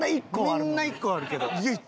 みんな１個はあるけど唯一。